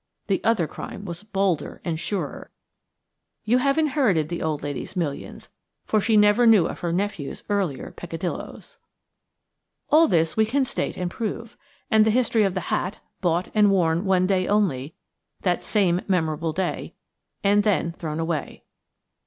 The other crime was bolder and surer. You have inherited the old lady's millions, for she never knew of her nephew's earlier peccadillos. "All this we can state and prove, and the history of the hat, bought, and worn one day only, that same memorable day, and then thrown away."